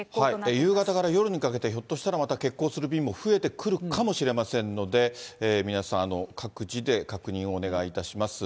夕方から夜にかけてひょっとしたら欠航する便も増えてくるかもしれませんので、皆さん、各自で確認をお願いいたします。